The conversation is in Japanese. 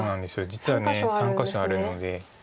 実は３か所あるので。